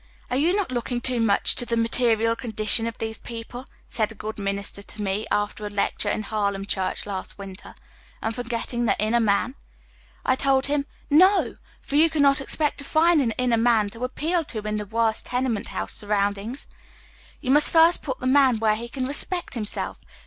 "Are you not looking too much to the material condi tion of these people," said a good minister to me after a lecture in a Harlem chui ch last winter, " and forgetting the inner man ?" I told liim, " No ! for you cannot expect to find an inner man to appeal to in tlie worst tenement house surroundings. Yon mnst first pnt the man where he can respect himself.